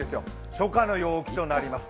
初夏の陽気となります。